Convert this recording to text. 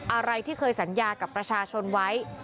อะไรที่เคยสัญญากับประชาชนไว้